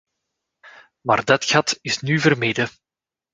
Maar dat gat is nu vermeden.